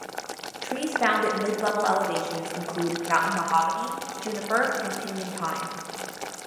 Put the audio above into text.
Trees found at mid-level elevations include mountain mahogany, juniper and pinyon pine.